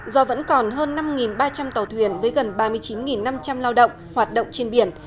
do vẫn còn hơn năm ba trăm linh tàu thuyền với gần ba mươi chín năm trăm linh lao động hoạt động trên biển